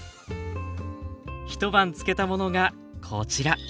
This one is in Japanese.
一晩漬けたものがこちら。